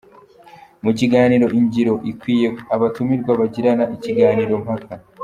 Mu kiganiro Ingiro ikwiye, abatumirwa bagirana ikiganiro-mpaka.